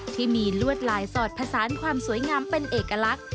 ที่มีลวดลายสอดผสานความสวยงามเป็นเอกลักษณ์